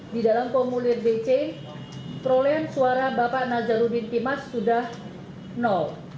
di dalam komulir dc perolehan suara bapak nazari intimas sudah nol